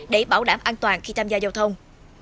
để bảo đảm an toàn khi tham gia giao thông